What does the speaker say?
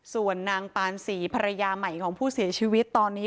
ส่วนนางปานศรีภรรยาใหม่ของผู้เสียชีวิตตอนนี้